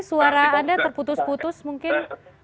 suara anda terputus putus mungkin